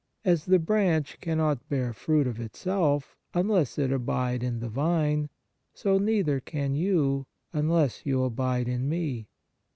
As the branch cannot bear fruit of itself, unless it abide in the vine, so neither can you, unless you abide in Me.